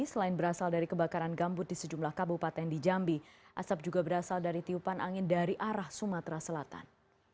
selain berasal dari kebakaran gambut di sejumlah kabupaten di jambi asap juga berasal dari tiupan angin dari arah sumatera selatan